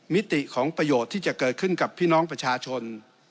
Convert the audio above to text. มิติของประโยชน์ที่จะเกิดขึ้นกับพี่น้องประชาชน